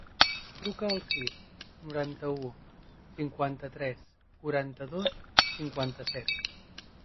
Truca al sis, noranta-u, cinquanta-tres, quaranta-dos, cinquanta-set.